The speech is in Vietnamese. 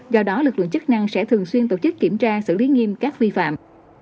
do đó lực lượng chức năng sẽ thường xuyên tổ chức kiểm tra xử lý nghiêm các vi phạm